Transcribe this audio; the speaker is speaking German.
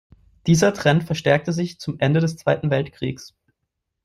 Dieser Trend verstärkte sich bis zum Ende des Zweiten Weltkriegs.